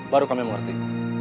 baru kami mengerti